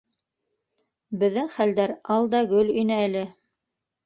— Беҙҙең хәлдәр ал да гөл ине әле.